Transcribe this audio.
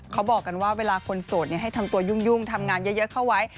เขาบอกกันว่าเวลาคนโสดให้ทำตัวยุ่งทำงานเยอะเข้าไว้